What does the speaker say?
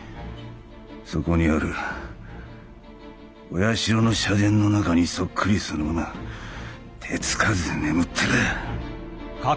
そこにあるお社の社殿の中にそっくりそのまま手付かずで眠ってらあ。